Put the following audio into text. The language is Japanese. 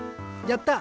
やった！